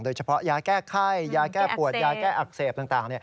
โดยเฉพาะยาแก้ไข้ยาแก้ปวดยาแก้อักเสบต่าง